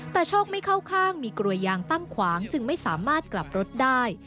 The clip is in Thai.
แต่โชคไม่เข้าข้างมีกลัวยางตั้งขวางจึงไม่สามารถกลับรถได้